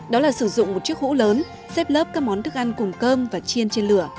đó là sử dụng một chiếc hũ lớn xếp lớp các món thức ăn cùng cơm và chiên trên lửa